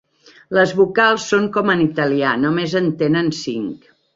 Les vocals són com en italià, només en tenen cinc.